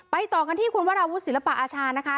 ต่อกันที่คุณวราวุฒิศิลปะอาชานะคะ